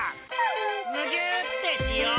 むぎゅーってしよう！